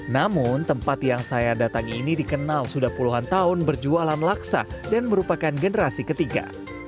namun tempat yang saya datangi ini dikenal sudah puluhan tahun berjualan laksa dan merupakan generasi ketiga